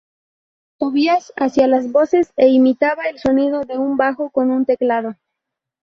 Tobias hacía las voces e imitaba el sonido de un bajo con su teclado.